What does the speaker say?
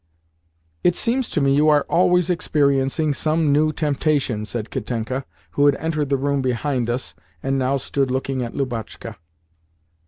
"It seems to me you are always experiencing some new temptation," said Katenka, who had entered the room behind us, and now stood looking at Lubotshka.